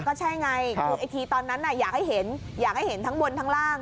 ก็ใช่ไงคือไอ้ทีตอนนั้นอยากให้เห็นอยากให้เห็นทั้งบนทั้งล่าง